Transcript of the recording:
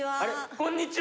こんにちは！